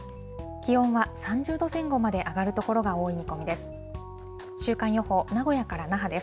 気温は３０度前後まで上がる所が多い見込みです。